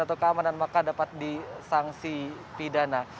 atau keamanan maka dapat disangsi pidana